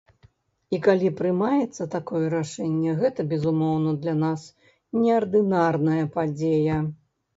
І калі прымаецца такое рашэнне, гэта, безумоўна, для нас неардынарная падзея.